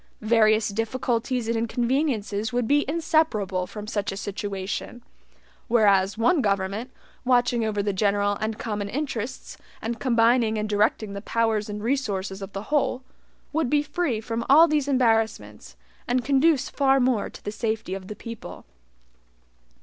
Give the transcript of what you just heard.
Various difficulties and inconveniences would be inseparable from such a situation; whereas one government, watching over the general and common interests, and combining and directing the powers and resources of the whole, would be free from all these embarrassments, and conduce far more to the safety of the people.